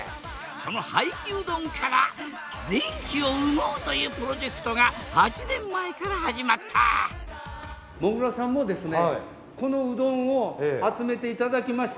その廃棄うどんから電気を生もうというプロジェクトが８年前から始まった僕もできるんですか？